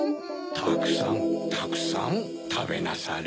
たくさんたくさんたべなされ。